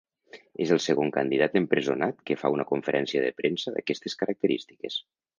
És el segon candidat empresonat que fa una conferència de premsa d’aquestes característiques.